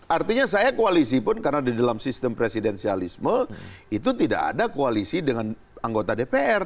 artinya saya koalisi pun karena di dalam sistem presidensialisme itu tidak ada koalisi dengan anggota dpr